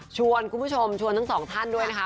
ชวนคุณผู้ชมชวนทั้งสองท่านด้วยนะคะ